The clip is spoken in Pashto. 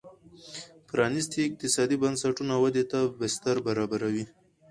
پرانیستي اقتصادي بنسټونه ودې ته بستر برابروي.